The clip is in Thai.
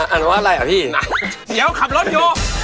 อันว่าอะไรหรอพี่เขาขับรถอยู่